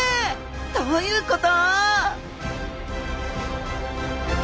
どういうこと！？